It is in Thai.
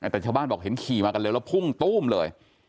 แต่ชาวบ้านบอกเห็นขี่มากันเร็วแล้วพุ่งตู้มเลย